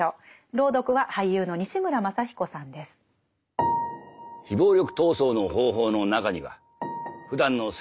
朗読は俳優の西村まさ彦さんです。